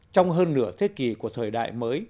trong hơn nửa thế kỷ của thời đại mới